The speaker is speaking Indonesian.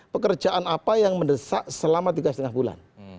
pekerjaan apa yang mendesak selama tiga lima bulan